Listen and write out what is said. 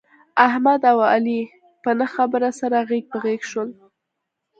احمد او علي په نه خبره سره غېږ په غېږ شول.